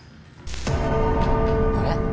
あれ？